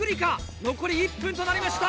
残り１分となりました！